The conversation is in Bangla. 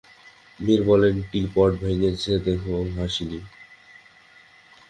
মীরা বললেন, টী-পট ভেঙেছে দেখে হাসি নি।